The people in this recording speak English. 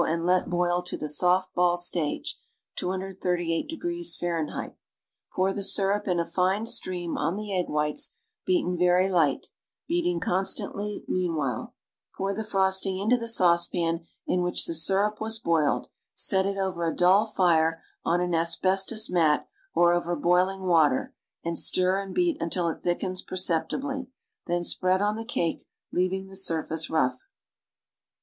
and let boil to the "soft ball" stage ('238° F.). I'our the syrup in a fine stream on the egg whites beaten very light, beating constantly meanwhile; pour the frosting into the saucepan in which the syrup was boiled, set it over a dull fire on an asbestos mat or over boiling water and stir and beat until it thickens perceptibly, then spread on the cake, leaving the surface rough.